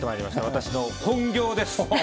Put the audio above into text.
私の本業です！